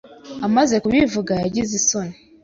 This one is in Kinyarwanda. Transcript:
Amaze kubivuga, yagize isoni.